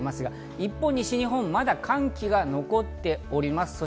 一方、西日本、まだ寒気が残っております。